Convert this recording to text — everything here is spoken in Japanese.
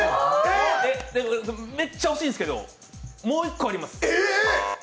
めっちゃ惜しいんですけど、もう一個あります。